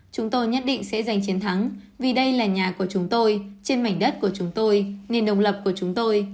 chúng tôi nhất định sẽ giành chiến thắng vì đây là nhà của chúng tôi trên mảnh đất của chúng tôi nền độc lập của chúng tôi